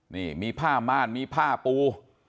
นี่มีผ้าม่านมีผ้าปู